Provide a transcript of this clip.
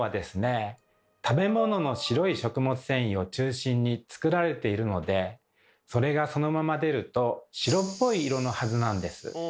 食べ物の白い食物繊維を中心につくられているのでそれがそのまま出ると白っぽい色のはずなんです。